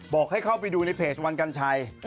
บอกให้เข้าไปดูในเพจวันกัญชัย